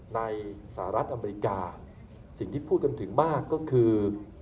สหรัฐอเมริกาสิ่งที่พูดกันถึงมากก็คือ